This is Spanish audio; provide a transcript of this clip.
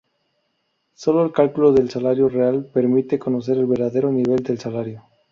Solo el cálculo del salario real permite conocer el verdadero nivel del salario.